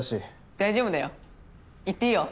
大丈夫だよ行っていいよ。